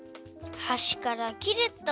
はしからきると。